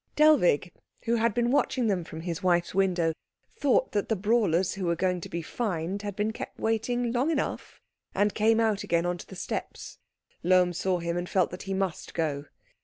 Dellwig, who had been watching them from his wife's window, thought that the brawlers who were going to be fined had been kept waiting long enough, and came out again on to the steps. Lohm saw him, and felt that he must go.